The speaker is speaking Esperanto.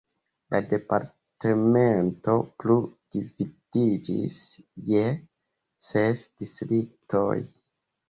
La departemento plu dividiĝis je ses distriktoj.